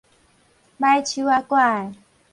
䆀手仔枴